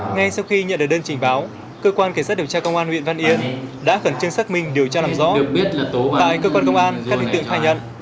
ngay sau khi nhận được đơn trình báo cơ quan cảnh sát điều tra công an huyện văn yên đã khẩn trương xác minh điều tra làm rõ tại cơ quan công an các đối tượng khai nhận